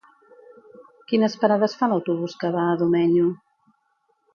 Quines parades fa l'autobús que va a Domenyo?